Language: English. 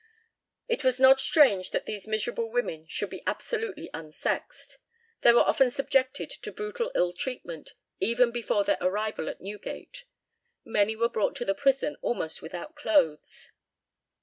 It was not strange that these miserable women should be absolutely unsexed. They were often subjected to brutal ill treatment even before their arrival at Newgate. Many were brought to the prison almost without clothes.